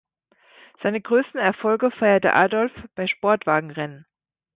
Seine größten Erfolge feierte Adolff bei Sportwagenrennen.